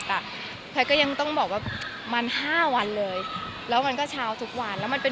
แต่แพทย์ก็ยังต้องบอกว่ามันห้าวันเลยแล้วมันก็เช้าทุกวันแล้วมันเป็น